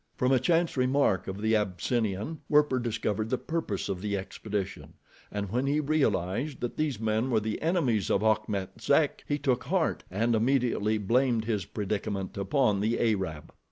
From a chance remark of the Abyssinian, Werper discovered the purpose of the expedition, and when he realized that these men were the enemies of Achmet Zek, he took heart, and immediately blamed his predicament upon the Arab.